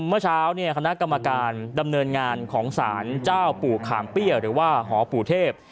เมื่อเช้าเนี่ยคณะกรรมการดำเนินงานของศาลเจ้าปู่ขามเปี้ยหรือว่าหอปู่เทพ